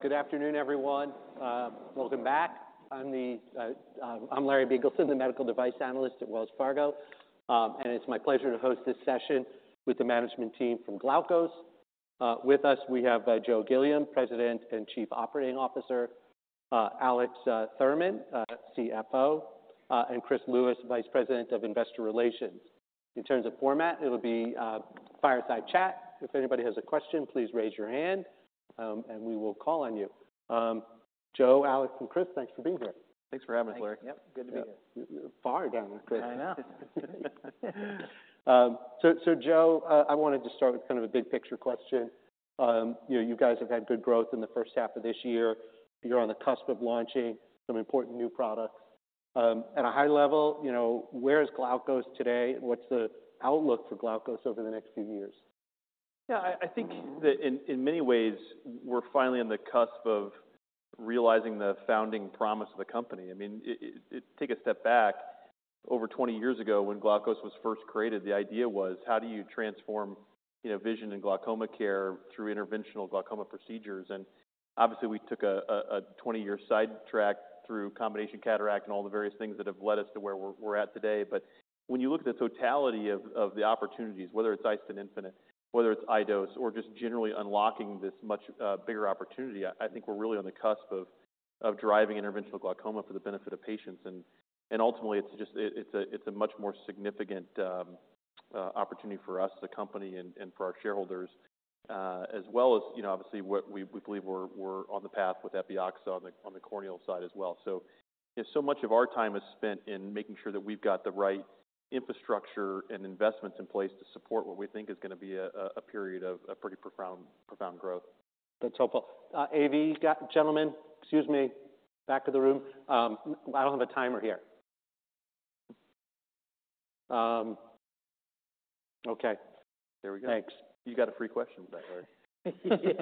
Good afternoon, everyone. Welcome back. I'm Larry Biegelsen, the medical device analyst at Wells Fargo. And it's my pleasure to host this session with the management team from Glaukos. With us, we have Joe Gilliam, President and Chief Operating Officer, Alex Thurman, CFO, and Chris Lewis, Vice President of Investor Relations. In terms of format, it'll be a fireside chat. If anybody has a question, please raise your hand, and we will call on you. Joe, Alex, and Chris, thanks for being here. Thanks for having us, Larry. Thank you. Yep, good to be here. Afternoon. I know. So, Joe, I wanted to start with kind of a big-picture question. You know, you guys have had good growth in the first half of this year. You're on the cusp of launching some important new products. At a high level, you know, where is Glaukos today, and what's the outlook for Glaukos over the next few years? Yeah, I think that in many ways, we're finally on the cusp of realizing the founding promise of the company. I mean, it... Take a step back. Over 20 years ago, when Glaukos was first created, the idea was: How do you transform, you know, vision and glaucoma care through interventional glaucoma procedures? And obviously, we took a 20-year sidetrack through combination cataract and all the various things that have led us to where we're at today. But when you look at the totality of the opportunities, whether it's iStent infinite, whether it's iDose, or just generally unlocking this much bigger opportunity, I think we're really on the cusp of driving interventional glaucoma for the benefit of patients. Ultimately, it's a much more significant opportunity for us, the company, and for our shareholders, as well as, you know, obviously, what we believe we're on the path with Epioxa on the corneal side as well. So much of our time is spent in making sure that we've got the right infrastructure and investments in place to support what we think is going to be a period of pretty profound growth. That's helpful. AV, gentlemen, excuse me, back of the room. I don't have a timer here. Okay. There we go. Thanks. You got a free question by Larry.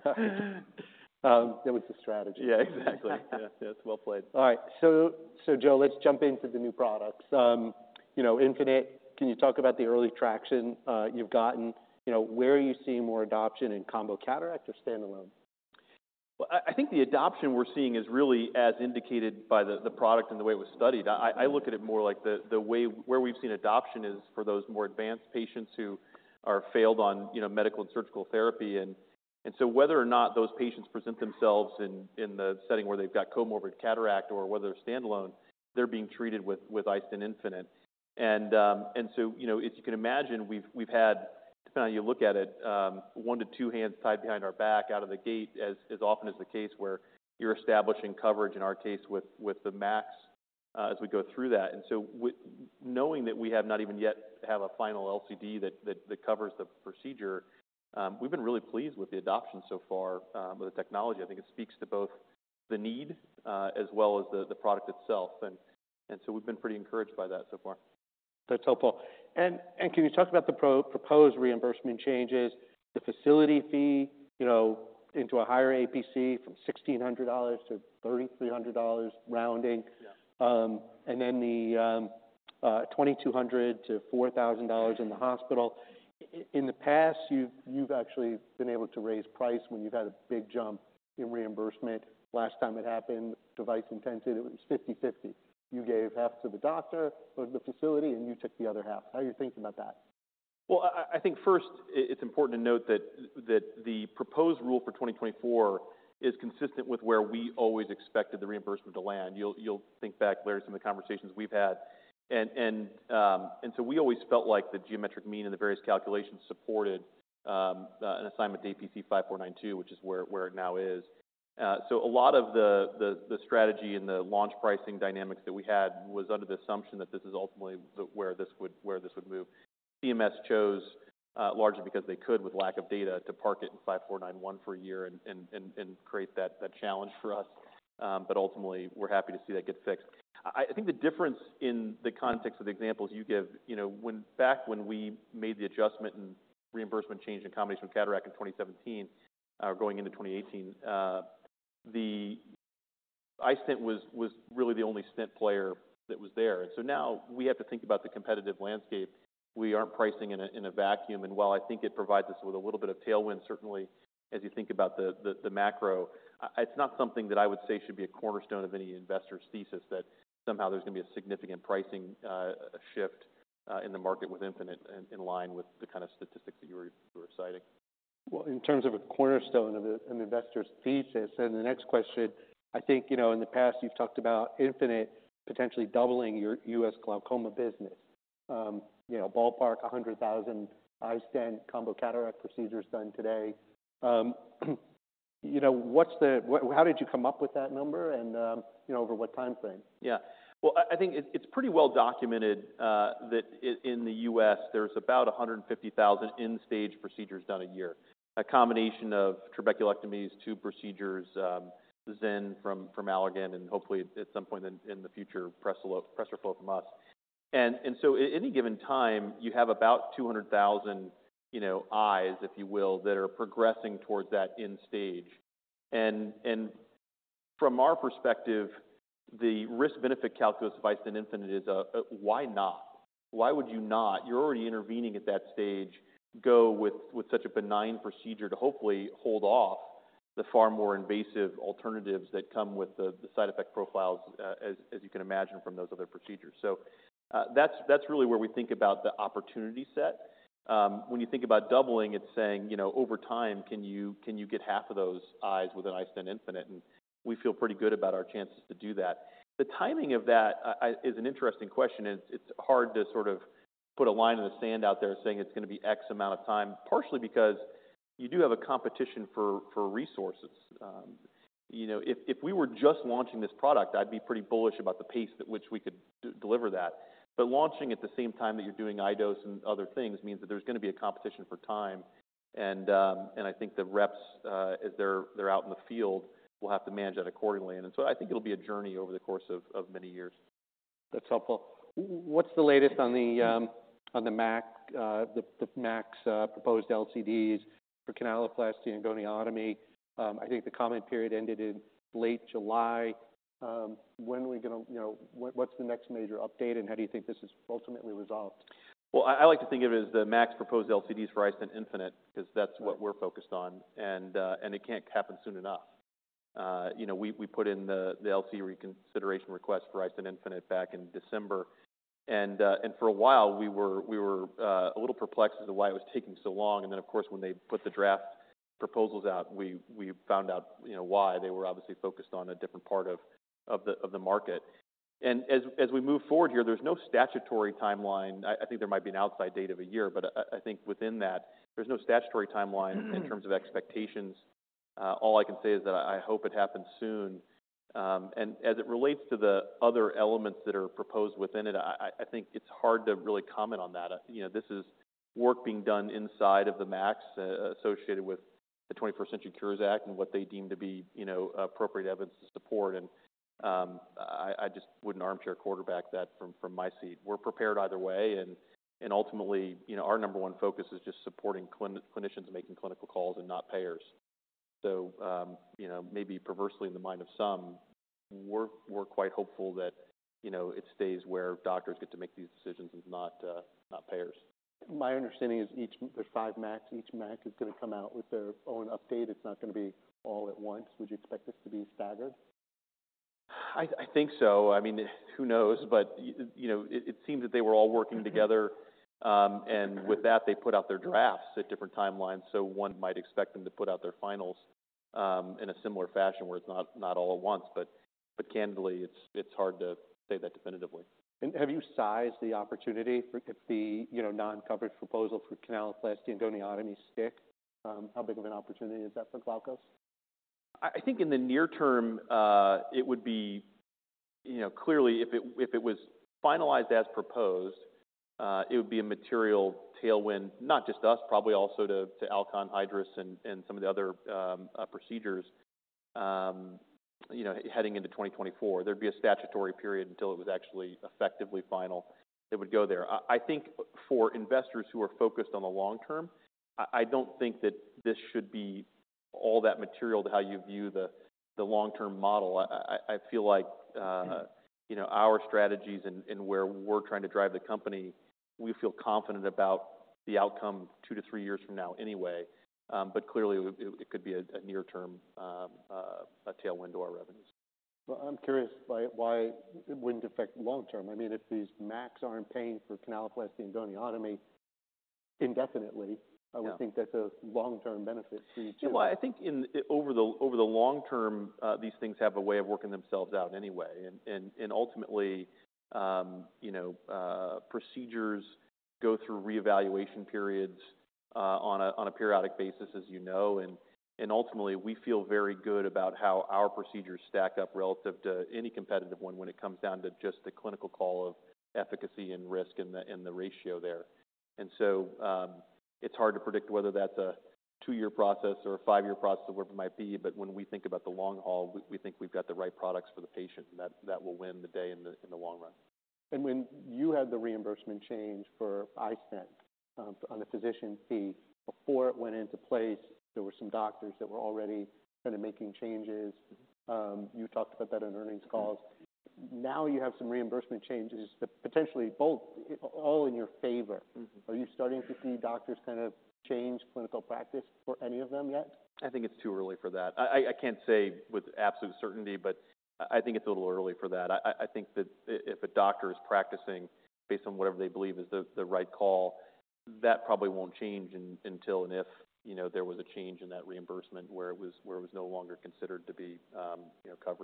Yeah. That was the strategy. Yeah, exactly. Yeah. Yeah, it's well played. All right, so, Joe, let's jump into the new products. You know, Infinite, can you talk about the early traction you've gotten? You know, where are you seeing more adoption in combo cataract or standalone? Well, I think the adoption we're seeing is really as indicated by the product and the way it was studied. I look at it more like the way. Where we've seen adoption is for those more advanced patients who are failed on, you know, medical and surgical therapy. And so whether or not those patients present themselves in the setting where they've got comorbid cataract or whether they're standalone, they're being treated with iStent infinite. And so, you know, as you can imagine, we've had, depending on how you look at it, 1-2 hands tied behind our back out of the gate, as often is the case where you're establishing coverage, in our case, with the MAC, as we go through that. And so, with knowing that we have not even yet have a final LCD that covers the procedure, we've been really pleased with the adoption so far with the technology. I think it speaks to both the need as well as the product itself. And so we've been pretty encouraged by that so far. That's helpful. Can you talk about the proposed reimbursement changes, the facility fee, you know, into a higher APC from $1,600-$3,300, rounding? Yeah. And then the $2,200-$4,000 in the hospital. In the past, you've actually been able to raise price when you've had a big jump in reimbursement. Last time it happened, Device Intensive, it was 50/50. You gave half to the doctor or the facility, and you took the other half. How are you thinking about that? Well, I think first, it's important to note that the proposed rule for 2024 is consistent with where we always expected the reimbursement to land. You'll think back, Larry, some of the conversations we've had. So we always felt like the geometric mean and the various calculations supported an assignment to APC 5492, which is where it now is. So a lot of the strategy and the launch pricing dynamics that we had was under the assumption that this is ultimately where this would move. CMS chose largely because they could, with lack of data, to park it in 5491 for a year and create that challenge for us. But ultimately, we're happy to see that get fixed. I think the difference in the context of the examples you give, you know, when back when we made the adjustment and reimbursement change in combination with cataract in 2017, going into 2018, the iStent was really the only stent player that was there. And so now we have to think about the competitive landscape. We aren't pricing in a vacuum, and while I think it provides us with a little bit of tailwind, certainly as you think about the macro, it's not something that I would say should be a cornerstone of any investor's thesis, that somehow there's going to be a significant pricing shift in the market with iStent infinite in line with the kind of statistics that you were citing. Well, in terms of a cornerstone of an investor's thesis, and the next question, I think, you know, in the past, you've talked about iStent infinite potentially doubling your U.S. glaucoma business. You know, ballpark 100,000 iStent combo cataract procedures done today. You know, what's the... How did you come up with that number and, you know, over what time frame? Yeah. Well, I think it's pretty well documented that in the U.S., there's about 150,000 end stage procedures done a year. A combination of trabeculectomies, tube procedures, XEN from Allergan, and hopefully at some point in the future, PRESERFLO from us. And so at any given time, you have about 200,000, you know, eyes, if you will, that are progressing towards that end stage. From our perspective, the risk-benefit calculus of iStent infinite is why not? Why would you not? You're already intervening at that stage, go with such a benign procedure to hopefully hold off the far more invasive alternatives that come with the side effect profiles, as you can imagine from those other procedures. So, that's, that's really where we think about the opportunity set. When you think about doubling, it's saying, you know, over time, can you, can you get half of those eyes with an iStent infinite? And we feel pretty good about our chances to do that. The timing of that, is an interesting question, and it's hard to sort of put a line in the sand out there saying it's going to be X amount of time, partially because you do have a competition for, for resources. You know, if, if we were just launching this product, I'd be pretty bullish about the pace at which we could deliver that. But launching at the same time that you're doing iDose and other things means that there's going to be a competition for time. I think the reps, as they're out in the field, will have to manage that accordingly. So I think it'll be a journey over the course of many years. That's helpful. What's the latest on the MAC's proposed LCDs for canaloplasty and goniotomy? I think the comment period ended in late July. When are we gonna... You know, what's the next major update, and how do you think this is ultimately resolved? Well, I like to think of it as the MAC's proposed LCDs for iStent and iStent infinite, because that's what we're focused on, and it can't happen soon enough. You know, we put in the LCD reconsideration request for iStent and iStent infinite back in December, and for a while, we were a little perplexed as to why it was taking so long. And then, of course, when they put the draft proposals out, we found out, you know, why. They were obviously focused on a different part of the market. And as we move forward here, there's no statutory timeline. I think there might be an outside date of a year, but I think within that, there's no statutory timeline- Mm-hmm. In terms of expectations. All I can say is that I hope it happens soon. And as it relates to the other elements that are proposed within it, I think it's hard to really comment on that. You know, this is work being done inside of the MACs, associated with the 21st Century Cures Act and what they deem to be, you know, appropriate evidence to support. And I just wouldn't armchair quarterback that from my seat. We're prepared either way, and ultimately, you know, our number one focus is just supporting clinicians making clinical calls and not payers. So, you know, maybe perversely in the mind of some, we're quite hopeful that, you know, it stays where doctors get to make these decisions and not payers. My understanding is each, there's five MACs. Each MAC is going to come out with their own update. It's not going to be all at once. Would you expect this to be staggered? I think so. I mean, who knows? But you know, it seemed that they were all working together. And with that, they put out their drafts at different timelines, so one might expect them to put out their finals in a similar fashion, where it's not all at once, but candidly, it's hard to say that definitively. Have you sized the opportunity if the, you know, non-coverage proposal for canaloplasty and goniotomy stick? How big of an opportunity is that for Glaukos? I think in the near term, you know, clearly, if it was finalized as proposed, it would be a material tailwind, not just us, probably also to Alcon, Hydrus, and some of the other procedures. You know, heading into 2024, there'd be a statutory period until it was actually effectively final. It would go there. I think for investors who are focused on the long term, I don't think that this should be all that material to how you view the long-term model. I feel like, you know, our strategies and where we're trying to drive the company, we feel confident about the outcome 2-3 years from now anyway. But clearly, it could be a near-term tailwind to our revenues. Well, I'm curious why, why it wouldn't affect long term. I mean, if these MACs aren't paying for canaloplasty and goniotomy indefinitely- Yeah I would think that's a long-term benefit to you. Well, I think over the long term, these things have a way of working themselves out anyway. And ultimately, you know, procedures go through reevaluation periods on a periodic basis, as you know. And ultimately, we feel very good about how our procedures stack up relative to any competitive one when it comes down to just the clinical call of efficacy and risk and the ratio there. And so, it's hard to predict whether that's a two-year process or a five-year process or whatever it might be. But when we think about the long haul, we think we've got the right products for the patient, and that will win the day in the long run. When you had the reimbursement change for iStent, on the physician fee, before it went into place, there were some doctors that were already kind of making changes. You talked about that in earnings calls. Now, you have some reimbursement changes that potentially both, all in your favor. Mm-hmm. Are you starting to see doctors kind of change clinical practice for any of them yet? I think it's too early for that. I can't say with absolute certainty, but I think it's a little early for that. I think that if a doctor is practicing based on whatever they believe is the right call, that probably won't change until and if, you know, there was a change in that reimbursement where it was no longer considered to be, you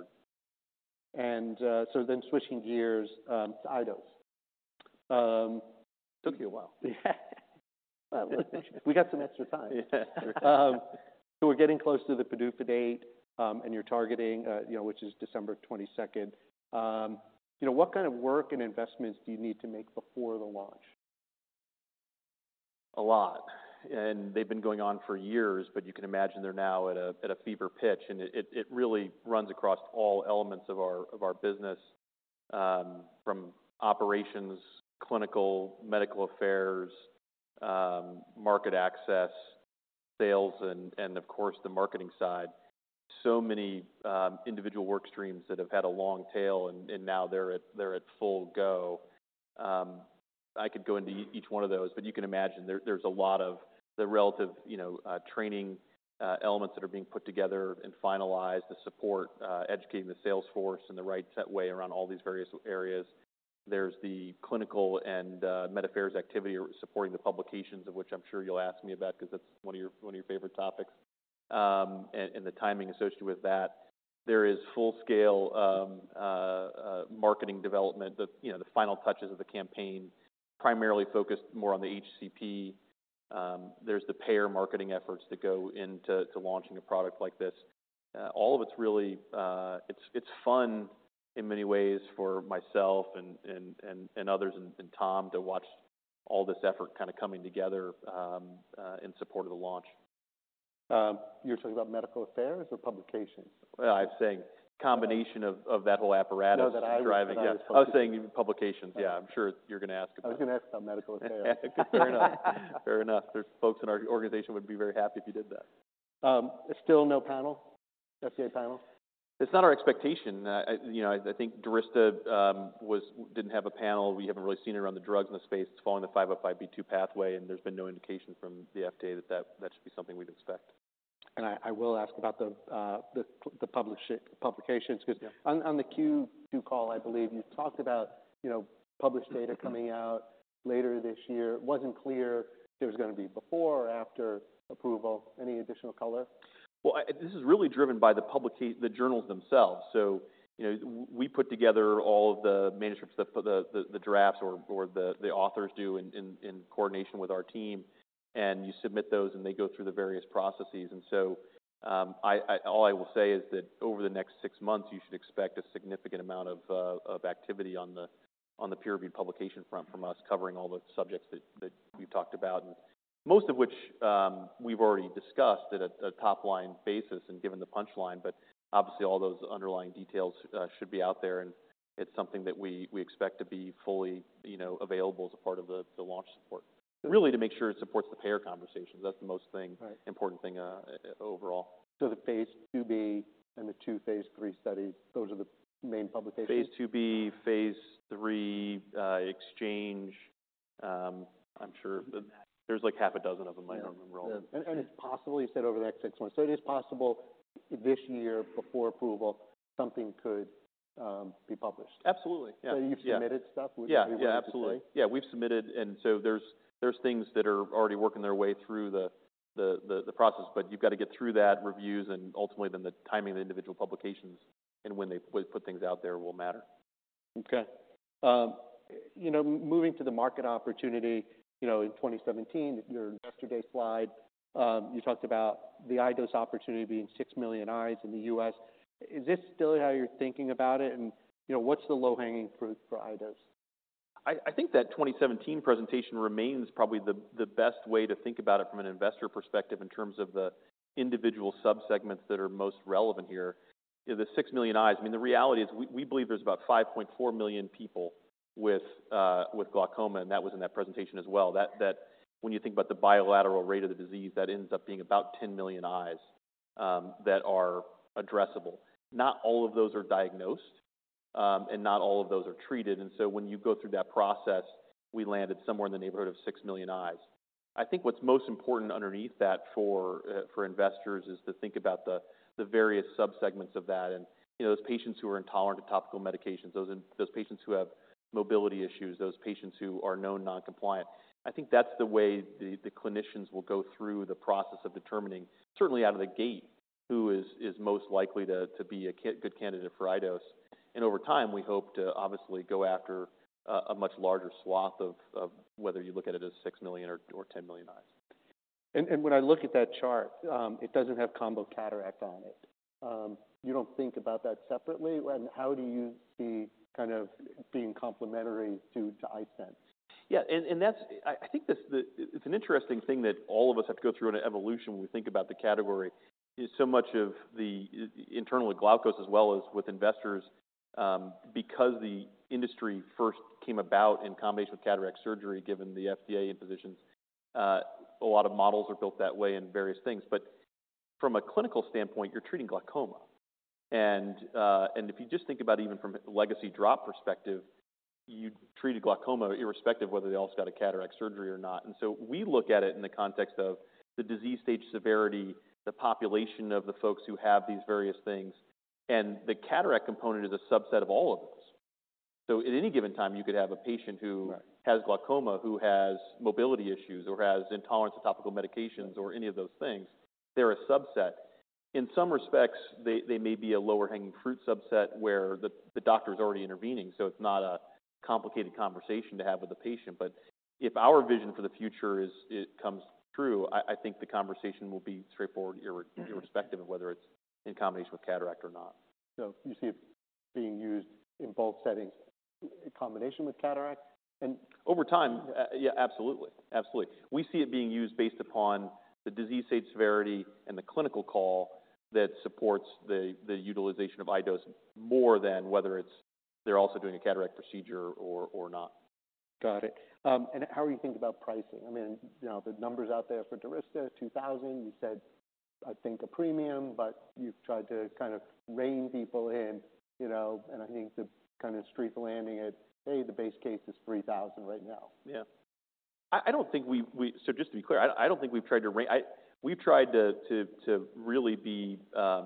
know, covered. Switching gears to iDose. Took you a while. Yeah. We got some extra time. Yes. So we're getting close to the PDUFA date, and you're targeting, you know, which is December 22. You know, what kind of work and investments do you need to make before the launch? A lot, and they've been going on for years, but you can imagine they're now at a fever pitch, and it really runs across all elements of our business from operations, clinical, medical affairs, market access, sales, and of course, the marketing side. So many individual work streams that have had a long tail, and now they're at full go. I could go into each one of those, but you can imagine there, there's a lot of the relative, you know, training elements that are being put together and finalized to support educating the sales force in the right set way around all these various areas. There's the clinical and med affairs activity supporting the publications, of which I'm sure you'll ask me about 'cause that's one of your favorite topics. The timing associated with that. There is full-scale marketing development, you know, the final touches of the campaign, primarily focused more on the HCP. There's the payer marketing efforts that go into launching a product like this. All of it's really... It's fun in many ways for myself and others and Tom to watch all this effort kind of coming together in support of the launch. You're talking about medical affairs or publications? I'm saying combination of, of that whole apparatus- No, that I was- - driving. Yeah. I was saying publications. Yeah, I'm sure you're gonna ask about it. I was gonna ask about medical affairs. Fair enough. Fair enough. There's folks in our organization who would be very happy if you did that. Still no panel? FDA panel? It's not our expectation. You know, I think Durysta didn't have a panel. We haven't really seen it around the drugs in the space. It's following the 505(b)(2) pathway, and there's been no indication from the FDA that that should be something we'd expect. I will ask about the publications. Yeah. 'Cause on the Q2 call, I believe you talked about, you know, published data coming out later this year. It wasn't clear if it was gonna be before or after approval. Any additional color? Well, this is really driven by the journals themselves. So you know, we put together all of the manuscripts, the drafts, or the authors do in coordination with our team, and you submit those, and they go through the various processes. And so, all I will say is that over the next six months, you should expect a significant amount of activity on the peer review publication front from us, covering all the subjects that we've talked about, and most of which we've already discussed at a top-line basis and given the punchline. But obviously, all those underlying details should be out there, and it's something that we expect to be fully, you know, available as a part of the launch support. Really, to make sure it supports the payer conversations, that's the most thing- Right... important thing, overall. the phase IIb and the two phase III studies, those are the main publications? phase IIb, phase III, ex. I'm sure there's like half a dozen of them. I don't remember all of them. Yeah. And it's possibly, you said, over the next six months, so it is possible this year, before approval, something could be published. Absolutely. Yeah. You've submitted- Yeah - stuff, would you be willing to say? Yeah. Yeah, absolutely. Yeah, we've submitted, and so there's things that are already working their way through the process, but you've got to get through that reviews and ultimately then the timing of the individual publications and when they put things out there will matter. Okay. You know, moving to the market opportunity, you know, in 2017, your investor day slide, you talked about the iDose opportunity being 6 million eyes in the U.S. Is this still how you're thinking about it? And, you know, what's the low-hanging fruit for iDose? I think that 2017 presentation remains probably the best way to think about it from an investor perspective in terms of the individual subsegments that are most relevant here. You know, the 6 million eyes, I mean, the reality is we believe there's about 5.4 million people with glaucoma, and that was in that presentation as well. That, that when you think about the bilateral rate of the disease, that ends up being about 10 million eyes that are addressable. Not all of those are diagnosed, and not all of those are treated. And so when you go through that process, we landed somewhere in the neighborhood of 6 million eyes. I think what's most important underneath that for investors is to think about the various subsegments of that and, you know, those patients who are intolerant to topical medications, those patients who have mobility issues, those patients who are known noncompliant. I think that's the way the clinicians will go through the process of determining, certainly out of the gate, who is most likely to be a good candidate for iDose. And over time, we hope to obviously go after a much larger swath of whether you look at it as 6 million or 10 million eyes. When I look at that chart, it doesn't have combo cataract on it. You don't think about that separately? And how do you see kind of being complementary to iStent? Yeah, and that's... I think this, it's an interesting thing that all of us have to go through in an evolution when we think about the category, is so much of the internally, Glaukos, as well as with investors, because the industry first came about in combination with cataract surgery, given the FDA and physicians, a lot of models are built that way and various things. But from a clinical standpoint, you're treating glaucoma. And, and if you just think about even from a legacy drop perspective, you treated glaucoma irrespective of whether they also got a cataract surgery or not. And so we look at it in the context of the disease stage severity, the population of the folks who have these various things, and the cataract component is a subset of all of this. At any given time, you could have a patient who- Right... has glaucoma, who has mobility issues or has intolerance to topical medications- Right - or any of those things. They're a subset. In some respects, they may be a lower-hanging fruit subset where the doctor's already intervening, so it's not a complicated conversation to have with the patient. But if our vision for the future is, it comes true, I think the conversation will be straightforward, irres- Mm-hmm... irrespective of whether it's in combination with cataract or not. So you see it being used in both settings?... in combination with cataracts, and- Over time, yeah, absolutely. Absolutely. We see it being used based upon the disease stage severity and the clinical call that supports the utilization of iDose more than whether it's they're also doing a cataract procedure or not. Got it. And how are you thinking about pricing? I mean, you know, the numbers out there for Durysta, $2,000, you said, I think, a premium, but you've tried to kind of rein people in, you know, and I think the kind of street landing at a, the base case is $3,000 right now. Yeah. I don't think we-- So just to be clear, I don't think we've tried to rein... We've tried to really be to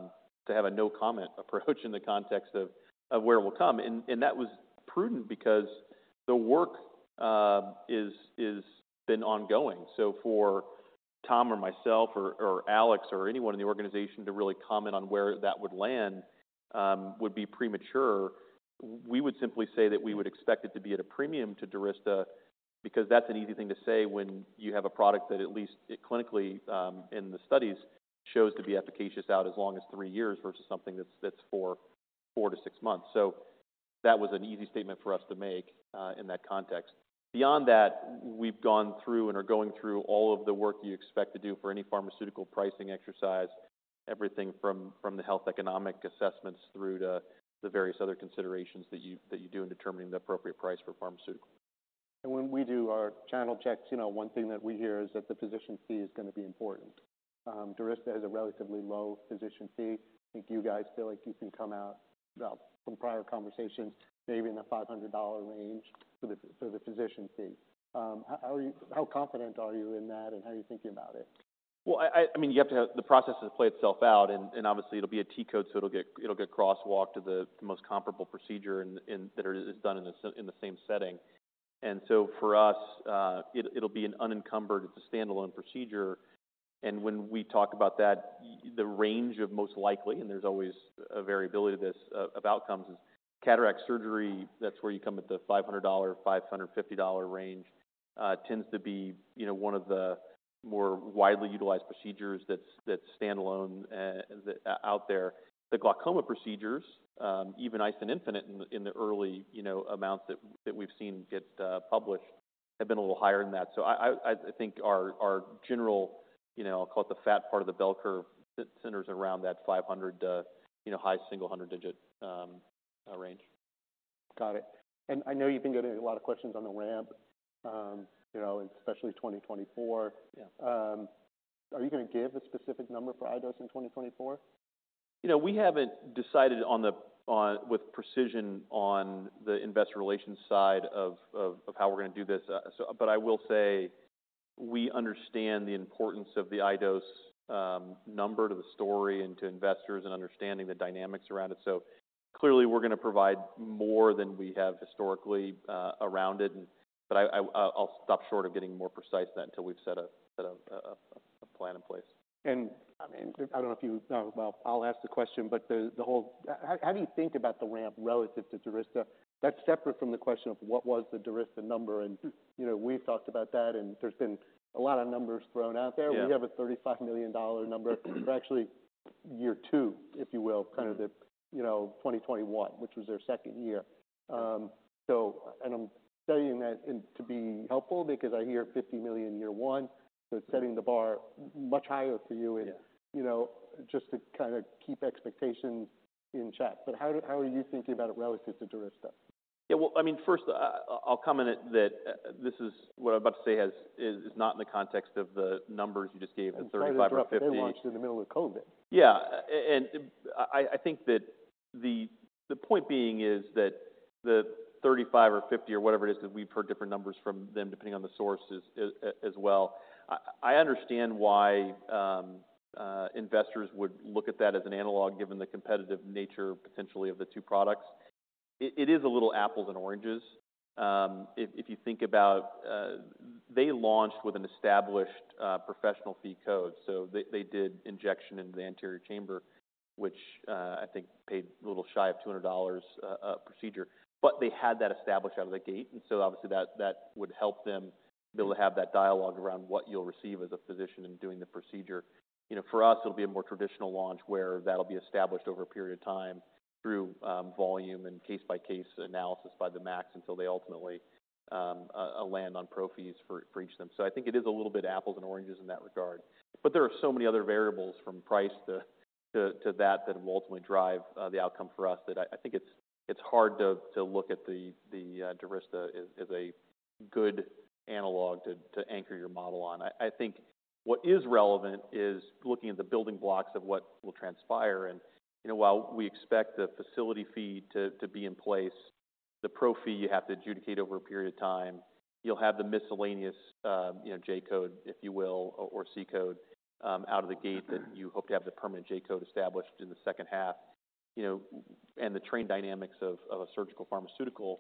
have a no-comment approach in the context of where it will come. And that was prudent because the work is been ongoing. So for Tom or myself or Alex or anyone in the organization to really comment on where that would land would be premature. We would simply say that we would expect it to be at a premium to Durysta, because that's an easy thing to say when you have a product that at least clinically in the studies shows to be efficacious out as long as three years versus something that's for four to six months. So that was an easy statement for us to make in that context. Beyond that, we've gone through and are going through all of the work you expect to do for any pharmaceutical pricing exercise, everything from the health economic assessments through to the various other considerations that you do in determining the appropriate price for a pharmaceutical. When we do our channel checks, you know, one thing that we hear is that the physician fee is going to be important. Durysta has a relatively low physician fee. I think you guys feel like you can come out, well, from prior conversations, maybe in the $500 range for the physician fee. How confident are you in that, and how are you thinking about it? Well, I mean, you have to have the process to play itself out, and obviously it'll be a T code, so it'll get crosswalked to the most comparable procedure and that is done in the same setting. And so for us, it'll be an unencumbered, it's a standalone procedure. And when we talk about that, the range of most likely, and there's always a variability of this, of outcomes, is cataract surgery, that's where you come at the $500-$550 range, tends to be, you know, one of the more widely utilized procedures that's standalone out there. The glaucoma procedures, even iStent and infinite in the early, you know, amounts that we've seen get published, have been a little higher than that. So I think our general, you know, I'll call it the fat part of the bell curve, centers around that 500, high single-hundred digit, range. Got it. I know you've been getting a lot of questions on the ramp, you know, especially 2024. Yeah. Are you going to give a specific number for iDose in 2024? You know, we haven't decided with precision on the investor relations side of how we're going to do this. So, but I will say we understand the importance of the iDose number to the story and to investors and understanding the dynamics around it. So clearly, we're going to provide more than we have historically around it. And but I, I'll stop short of getting more precise than until we've set a plan in place. And, I mean, I don't know if you... well, I'll ask the question, but the whole— How do you think about the ramp relative to Durysta? That's separate from the question of what was the Durysta number. And, you know, we've talked about that, and there's been a lot of numbers thrown out there. Yeah. We have a $35 million number. It's actually year 2, if you will, kind of the- Mm-hmm. you know, 2021, which was their second year. So and I'm saying that and to be helpful because I hear $50 million year one, so it's setting the bar much higher for you- Yeah... you know, just to kind of keep expectations in check. But how are you thinking about it relative to Durysta? Yeah, well, I mean, first, I'll comment at that. This is... What I'm about to say has, is not in the context of the numbers you just gave, the 35 or 50- They launched in the middle of COVID. Yeah. And I think that the point being is that the 35 or 50 or whatever it is, because we've heard different numbers from them, depending on the sources as well. I understand why investors would look at that as an analog, given the competitive nature, potentially, of the two products. It is a little apples and oranges. If you think about, they launched with an established professional fee code, so they did injection into the anterior chamber, which I think paid a little shy of $200 procedure. But they had that established out of the gate, and so obviously that would help them be able to have that dialogue around what you'll receive as a physician in doing the procedure. You know, for us, it'll be a more traditional launch, where that'll be established over a period of time through volume and case-by-case analysis by the MACs until they ultimately land on pro fees for each of them. So I think it is a little bit apples and oranges in that regard. But there are so many other variables, from price to that, that will ultimately drive the outcome for us, that I think it's hard to look at the Durysta as a good analog to anchor your model on. I think what is relevant is looking at the building blocks of what will transpire. And, you know, while we expect the facility fee to be in place, the pro fee, you have to adjudicate over a period of time. You'll have the miscellaneous, you know, J code, if you will, or C code, out of the gate, that you hope to have the permanent J code established in the second half. You know, and the train dynamics of a surgical pharmaceutical,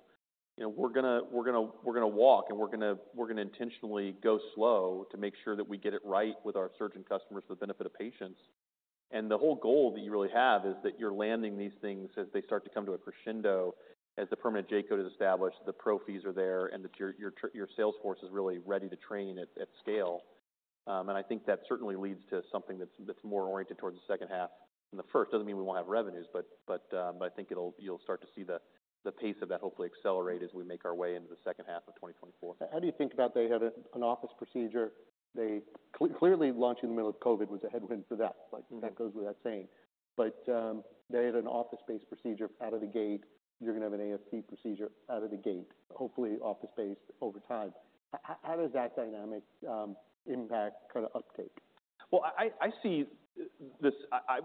you know, we're gonna walk, and we're gonna intentionally go slow to make sure that we get it right with our surgeon customers for the benefit of patients. And the whole goal that you really have is that you're landing these things as they start to come to a crescendo. As the permanent J code is established, the pro fees are there, and that your sales force is really ready to train at scale. And I think that certainly leads to something that's more oriented towards the second half than the first. Doesn't mean we won't have revenues, but I think it'll—you'll start to see the pace of that hopefully accelerate as we make our way into the second half of 2024. How do you think about they have an office procedure? They clearly launching in the middle of COVID was a headwind to that, like- Mm-hmm. That goes without saying. But they had an office-based procedure out of the gate. You're gonna have an ASC procedure out of the gate, hopefully office-based over time. How does that dynamic impact kind of uptake? Well, I see this.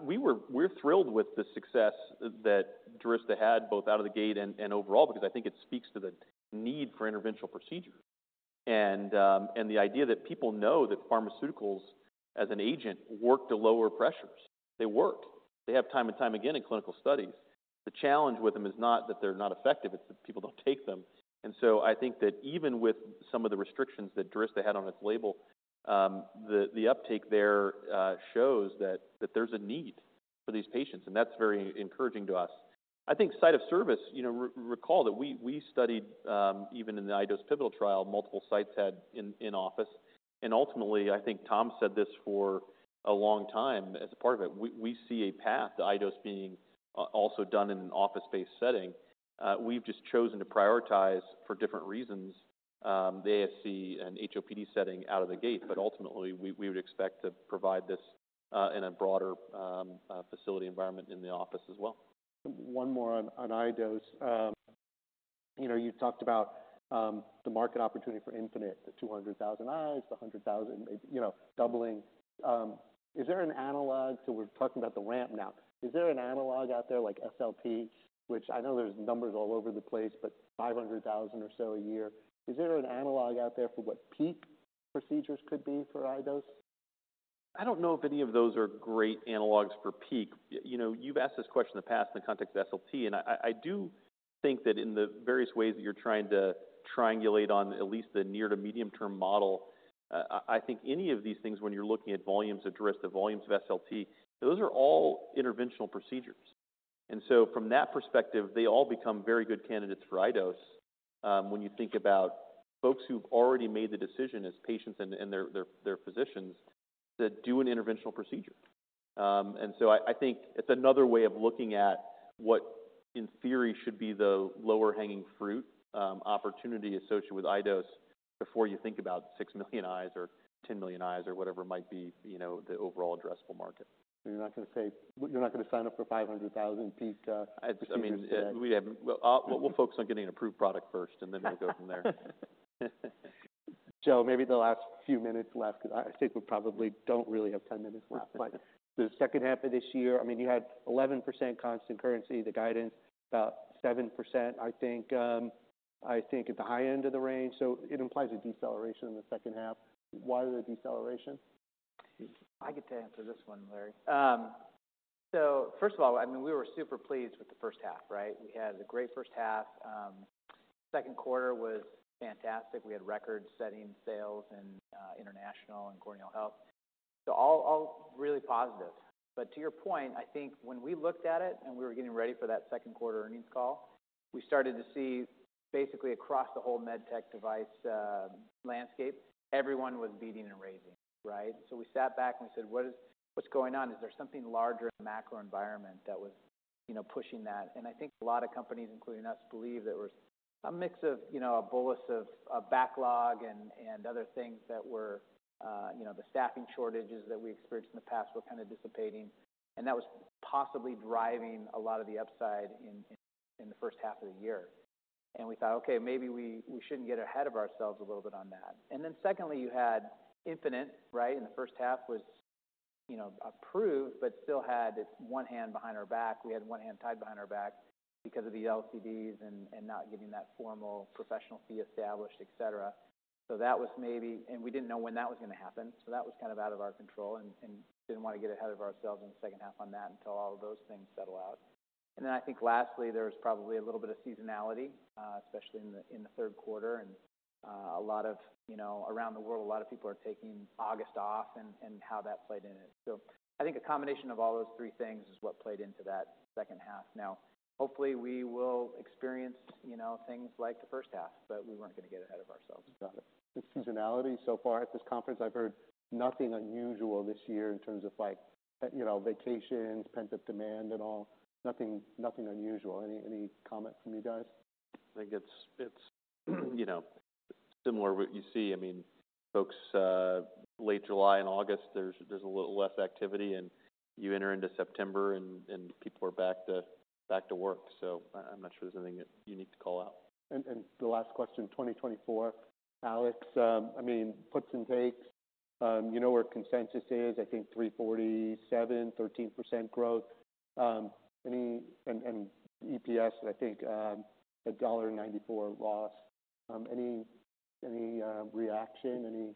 We were thrilled with the success that Durysta had, both out of the gate and overall, because I think it speaks to the need for interventional procedures. And the idea that people know that pharmaceuticals as an agent work to lower pressures. They work. They have time and time again in clinical studies. The challenge with them is not that they're not effective, it's that people don't take them. And so I think that even with some of the restrictions that Durysta had on its label, the uptake there shows that there's a need for these patients, and that's very encouraging to us. I think site of service, you know, recall that we studied even in the iDose pivotal trial, multiple sites had in office, and ultimately, I think Tom said this for a long time as a part of it, we see a path to iDose being also done in an office-based setting. We've just chosen to prioritize for different reasons the ASC and HOPD setting out of the gate. But ultimately, we would expect to provide this in a broader facility environment in the office as well. One more on iDose. You know, you talked about the market opportunity for iStent infinite, the 200,000 eyes, the 100,000, maybe, you know, doubling. Is there an analog? So we're talking about the ramp now. Is there an analog out there like SLT, which I know there's numbers all over the place, but 500,000 or so a year. Is there an analog out there for what peak procedures could be for iDose? I don't know if any of those are great analogs for peak. You know, you've asked this question in the past in the context of SLT, and I do think that in the various ways that you're trying to triangulate on at least the near- to medium-term model, I think any of these things, when you're looking at volumes of Durysta, volumes of SLT, those are all interventional procedures. And so from that perspective, they all become very good candidates for iDose, when you think about folks who've already made the decision as patients and their physicians to do an interventional procedure. And so I think it's another way of looking at what, in theory, should be the lower-hanging fruit, opportunity associated with iDose before you think about 6 million eyes or 10 million eyes or whatever might be, you know, the overall addressable market. You're not gonna say... You're not gonna sign up for 500,000 peak. I mean, we haven't, we'll focus on getting an approved product first, and then we'll go from there. Joe, maybe the last few minutes left, because I think we probably don't really have 10 minutes left. But the second half of this year, I mean, you had 11% constant currency, the guidance about 7%, I think. I think at the high end of the range, so it implies a deceleration in the second half. Why the deceleration? I get to answer this one, Larry. So first of all, I mean, we were super pleased with the first half, right? We had a great first half. Second quarter was fantastic. We had record-setting sales in international and corneal health, so all, all really positive. But to your point, I think when we looked at it and we were getting ready for that second quarter earnings call, we started to see basically across the whole med tech device landscape, everyone was beating and raising, right? So we sat back and we said, "What is-- what's going on? Is there something larger in the macro environment that was, you know, pushing that?" I think a lot of companies, including us, believed there was a mix of, you know, a bolus of backlog and other things that were, you know, the staffing shortages that we experienced in the past were kind of dissipating. And that was possibly driving a lot of the upside in the first half of the year. We thought: Okay, maybe we shouldn't get ahead of ourselves a little bit on that. And then secondly, you had iStent infinite, right, in the first half was, you know, approved, but still had its one hand behind our back. We had one hand tied behind our back because of the LCDs and not getting that formal professional fee established, et cetera. So that was maybe... We didn't know when that was gonna happen, so that was kind of out of our control and didn't want to get ahead of ourselves in the second half on that until all of those things settle out. And then I think lastly, there was probably a little bit of seasonality, especially in the third quarter. A lot of, you know, around the world, a lot of people are taking August off and how that played in it. So I think a combination of all those three things is what played into that second half. Now, hopefully, we will experience, you know, things like the first half, but we weren't gonna get ahead of ourselves about it. The seasonality so far at this conference, I've heard nothing unusual this year in terms of like, you know, vacations, pent-up demand and all. Nothing, nothing unusual. Any, any comment from you guys? I think it's, you know, similar to what you see. I mean, folks, late July and August, there's a little less activity, and you enter into September, and people are back to work. So I'm not sure there's anything that you need to call out. The last question, 2024. Alex, I mean, puts and takes, you know, where consensus is. I think 347, 13% growth, any... And EPS, I think, $1.94 loss. Any reaction? Any-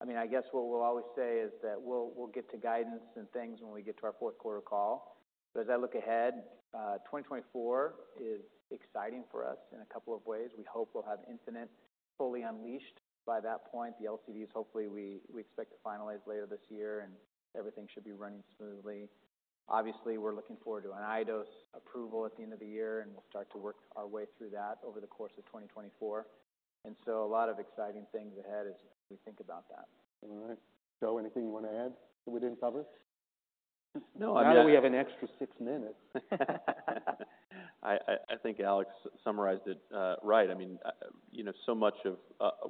I mean, I guess what we'll always say is that we'll get to guidance and things when we get to our fourth-quarter call. But as I look ahead, 2024 is exciting for us in a couple of ways. We hope we'll have Infinite fully unleashed by that point. The LCDs, hopefully, we expect to finalize later this year, and everything should be running smoothly. Obviously, we're looking forward to an iDose approval at the end of the year, and we'll start to work our way through that over the course of 2024. And so a lot of exciting things ahead as we think about that. All right. Joe, anything you want to add that we didn't cover? No. Now that we have an extra 6 minutes. I think Alex summarized it right. I mean, you know, so much of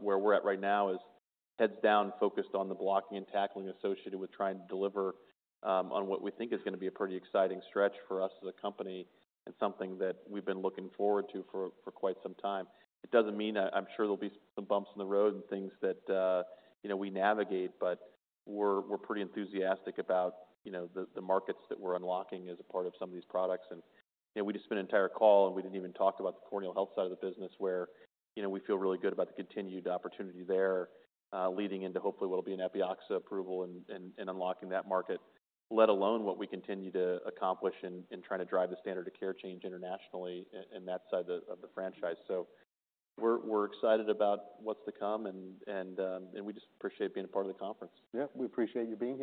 where we're at right now is heads down, focused on the blocking and tackling associated with trying to deliver on what we think is gonna be a pretty exciting stretch for us as a company and something that we've been looking forward to for quite some time. It doesn't mean... I'm sure there'll be some bumps in the road and things that, you know, we navigate, but we're pretty enthusiastic about, you know, the markets that we're unlocking as a part of some of these products. You know, we just spent an entire call, and we didn't even talk about the corneal health side of the business, where, you know, we feel really good about the continued opportunity there, leading into hopefully what will be an Epioxa approval and unlocking that market. Let alone what we continue to accomplish in trying to drive the standard of care change internationally in that side of the franchise. So we're excited about what's to come, and we just appreciate being a part of the conference. Yeah, we appreciate you being here.